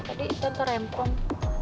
tadi tenter rempong